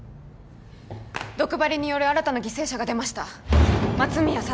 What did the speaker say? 毒針による新たな犠牲者が出ました松宮聡